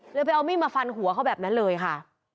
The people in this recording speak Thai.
ไปเอามีดมาฟันหัวเขาแบบนั้นเลยค่ะ